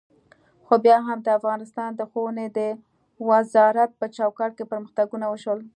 خو بیا هم د افغانستان د ښوونې د وزارت په چوکاټ کې پرمختګونه وشول.